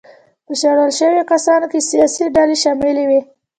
په شړل شویو کسانو کې سیاسي ډلې شاملې وې.